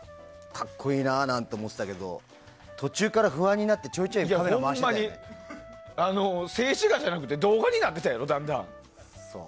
格好いいななんて思ってたけど途中から不安になって静止画じゃなくて動画になってたよ、だんだん。